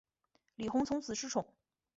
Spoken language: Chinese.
李弘从此失宠。